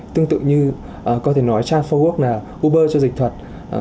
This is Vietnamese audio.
tương tự như có thể nói trans bốn work là uber cho dịch thuật